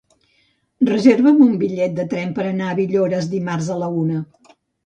Reserva'm un bitllet de tren per anar a Villores dimarts a la una.